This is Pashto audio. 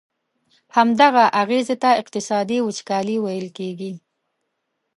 همدغه اغیزي ته اقتصادي وچکالي ویل کیږي.